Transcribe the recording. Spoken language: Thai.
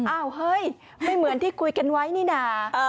อ้าวเฮ้ยไม่เหมือนที่คุยกันไว้นี่นะ